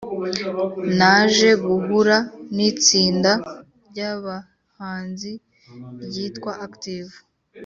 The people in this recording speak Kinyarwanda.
Naje guhura n’itsinda ry’abahanzi ryitwa Active...